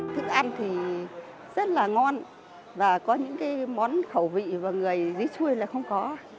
thức ăn thì rất là ngon và có những món khẩu vị và người dưới chuôi là không có